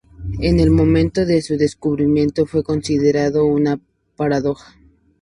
En el momento de su descubrimiento, fue considerado una paradoja.